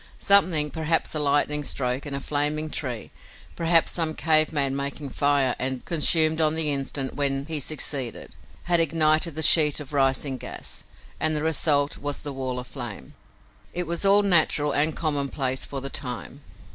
Something, perhaps a lightning stroke and a flaming tree, perhaps some cave man making fire and consumed on the instant when he succeeded, had ignited the sheet of rising gas, and the result was the wall of flame. It was all natural and commonplace, for the time.